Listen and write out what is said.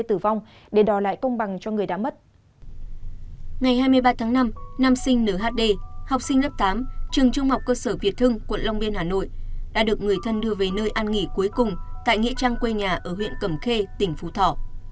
trường trung học cơ sở việt thưng quận long biên hà nội đã được người thân đưa về nơi an nghỉ cuối cùng tại nghĩa trang quê nhà ở huyện cẩm khê tỉnh phú thỏ